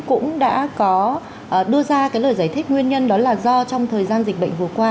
cũng đã có đưa ra cái lời giải thích nguyên nhân đó là do trong thời gian dịch bệnh vừa qua